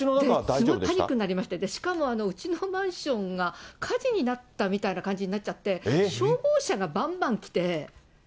すごいパニックになりまして、しかもうちのマンションが火事になったみたいな感じになっちゃって、消防車がばんばん来て。